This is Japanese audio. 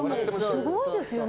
すごいですよね